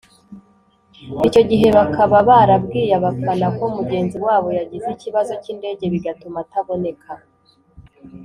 icyo gihe bakaba barabwiye abafana ko mugenzi wabo yagize ikibazo cy’indege bigatuma ataboneka